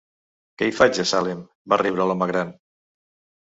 "Què hi faig, a Salem?", va riure l'home gran.